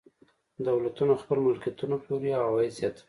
دولتونه خپل ملکیتونه پلوري او عواید زیاتوي.